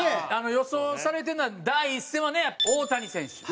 予想されてるのは第１戦はね大谷選手。